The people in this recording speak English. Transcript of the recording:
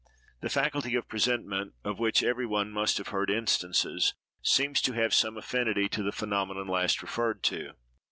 The faculty of presentiment, of which everybody must have heard instances, seems to have some affinity to the phenomenon last referred to.